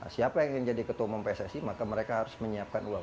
siapa yang ingin jadi ketua umum pssi maka mereka harus menyiapkan uang